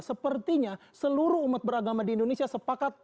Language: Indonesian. sepertinya seluruh umat beragama di indonesia sepakat